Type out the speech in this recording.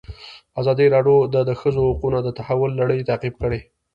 ازادي راډیو د د ښځو حقونه د تحول لړۍ تعقیب کړې.